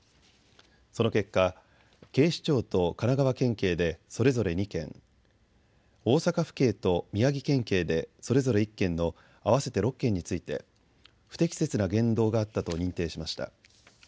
その結果、警視庁と神奈川県警でそれぞれ２件、大阪府警と宮城県警でそれぞれ１件の合わせて６件について不適切な言動があったと認定しました。